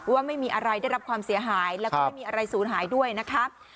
ว่าไม่มีอะไรได้รับความเสียหายแล้วก็ไม่มีอะไรสูญหายด้วยนะครับ